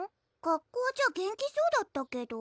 学校じゃ元気そうだったけど？